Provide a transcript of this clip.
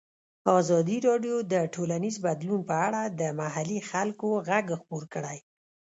ازادي راډیو د ټولنیز بدلون په اړه د محلي خلکو غږ خپور کړی.